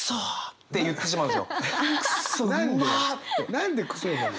何で「クソ」になるの？